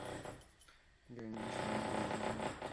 Grenade বিস্ফোরণে কেউ মারা যাবে?